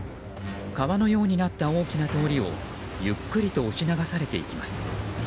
川のようになった大きな通りをゆっくりと押し流されていきます。